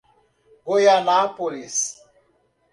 Goianápolis